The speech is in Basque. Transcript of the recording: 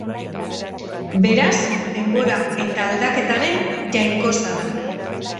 Beraz, denbora eta aldaketaren jainkosa da.